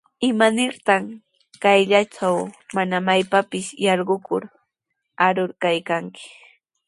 ¿Imanirtaq kayllatraw mana maypapis yarqukur arur kaykanki?